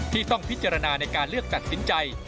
ที่ต้องพิจารณาในการเลือกตัดสินใจ